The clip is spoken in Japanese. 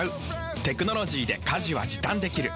テクノロジーで家事は時短できる。